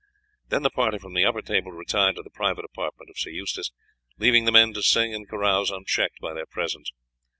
Then the party from the upper table retired to the private apartment of Sir Eustace, leaving the men to sing and carouse unchecked by their presence.